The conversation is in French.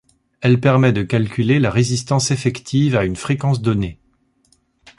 Elle permet de calculer la résistance effective à une fréquence donnée.